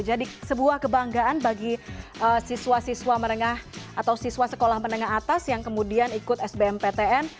jadi sebuah kebanggaan bagi siswa siswa menengah atau siswa sekolah menengah atas yang kemudian ikut sbm ptn